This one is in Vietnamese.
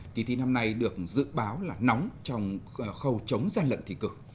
kỳ thi năm nay được dự báo là nóng trong khâu chống gian lận thi cử